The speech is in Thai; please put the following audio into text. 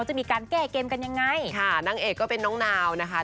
จะมีการแก้เกมกันยังไงค่ะนางเอกก็เป็นน้องนาวนะคะ